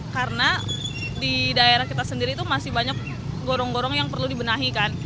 karena di daerah kita sendiri itu masih banyak gorong gorong yang perlu dibenahikan